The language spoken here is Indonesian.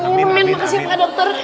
amin makasih pak dokter